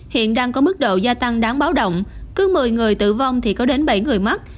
hiện đang có mức độ gia tăng đáng báo động cứ một mươi người tử vong thì có đến bảy người mắc